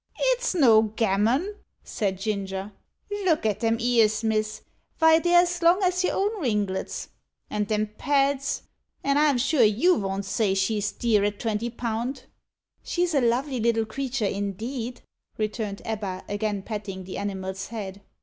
"It's no gammon," said Ginger. "Look at them ears, miss vy, they're as long as your own ringlets and them pads an' I'm sure you von't say she's dear at twenty pound." "She's a lovely little creature, indeed," returned Ebba, again patting the animal's head.